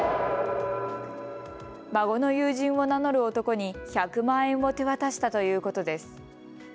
孫の友人を名乗る男に１００万円を手渡したということです。